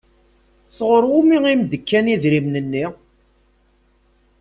Sɣur wumi i m-d-kan idrimen-nni?